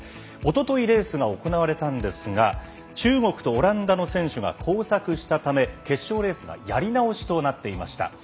おとといレースが行われたんですが中国とオランダの選手が交錯したため決勝レースがやり直しとなっていました。